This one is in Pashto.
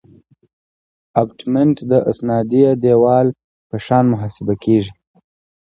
ابټمنټ د استنادي دیوال په شان محاسبه کیږي